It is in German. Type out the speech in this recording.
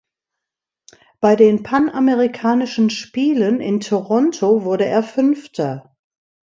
Bei den Panamerikanischen Spielen in Toronto wurde er Fünfter.